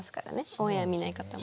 オンエア見ない方も。